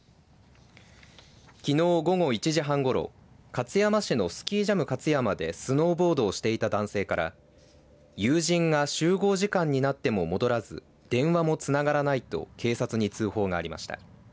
きのう午後１時半ごろ勝山市のスキージャム勝山でスノーボードをしていた男性から友人が集合時間になっても戻らず電話もつながらないと警察に通報がありました。